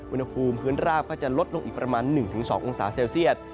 อุณหภูมิพื้นราบก็จะลดลงอีกประมาณ๑๒องศาเซลเซียต